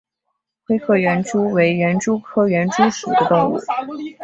灰褐园蛛为园蛛科园蛛属的动物。